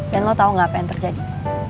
dan lo tau gak apa yang terjadi